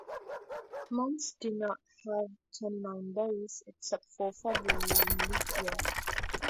Months do not have twenty-nine days, except for February on a leap year.